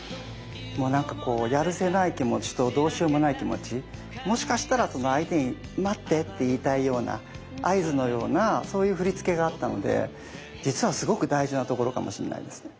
もうなんかこうやるせない気持ちとどうしようもない気持ちもしかしたらその相手に待ってって言いたいような合図のようなそういう振り付けがあったので実はすごく大事なところかもしんないですね。